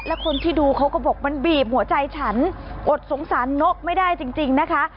แล้วคนที่ดูเขาก็บอกมันบีบหัวใจฉันอดสงสารนกไม่ได้จริงนะคะ